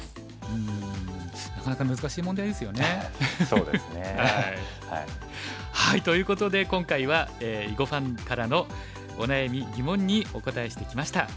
そうですね。ということで今回は囲碁ファンからのお悩み疑問にお答えしてきました。